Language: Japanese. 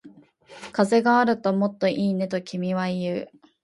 風があるともっといいね、と君は言う